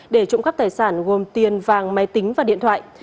để trộm cắp tài sản gồm tiền vàng máy tính và điện thoại